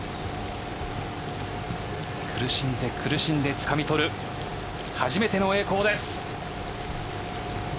苦しんで苦しんでつかみとる初めての栄光です。